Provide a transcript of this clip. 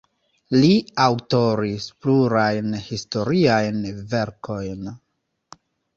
Li aŭtoris plurajn historiajn verkojn.